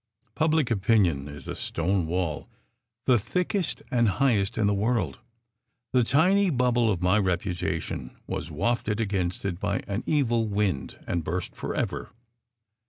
Public opinion is a stone wall, the thickest and highest in the world. The tiny bubble of my reputation was wafted against it by an evil wind, and burst forever.